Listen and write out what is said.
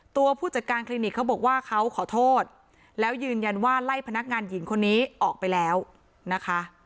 ผู้จัดการคลินิกเขาบอกว่าเขาขอโทษแล้วยืนยันว่าไล่พนักงานหญิงคนนี้ออกไปแล้วนะคะ